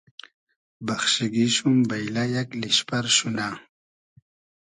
بئخشیگی شوم بݷلۂ یئگ لیشپئر شونۂ